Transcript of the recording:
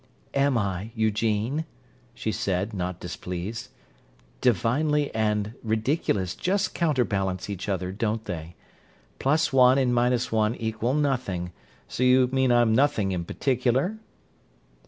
"Am I, Eugene?" she said, not displeased. "'Divinely' and 'ridiculous' just counterbalance each other, don't they? Plus one and minus one equal nothing; so you mean I'm nothing in particular?"